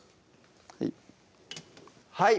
はい